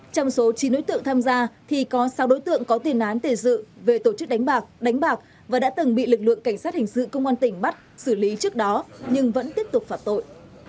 trong số chín đối tượng tham gia thì có sáu đối tượng có tiền án tiền sự về tổ chức đánh bạc đánh bạc và đã từng bị lực lượng cảnh sát hình sự công an tỉnh bắt xử lý trước đó nhưng vẫn tiếp tục phạm tội